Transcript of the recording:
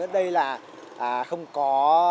đây là không có